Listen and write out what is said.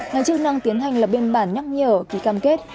nói chung năng tiến hành là bên bản nhắc nhở kỳ cam kết